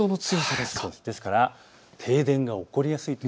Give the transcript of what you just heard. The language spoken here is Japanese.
ですから停電が起こりやすい。